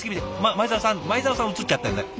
前澤さん前澤さん映っちゃってるんだよ。